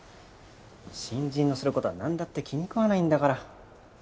新人のすることはなんだって気に食わないんだから。